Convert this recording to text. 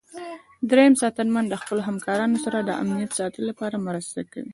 دریم ساتنمن د خپلو همکارانو سره د امنیت ساتلو لپاره مرسته کوي.